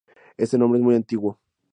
Este nombre es muy antiguo.